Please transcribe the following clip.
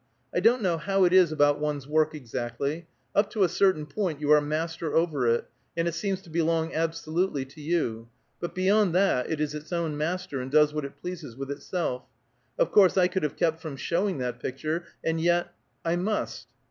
"I don't know how it is about one's work, exactly. Up to a certain point you are master over it, and it seems to belong absolutely to you; but beyond that it is its own master and does what it pleases with itself. Of course I could have kept from showing that picture, and yet I must."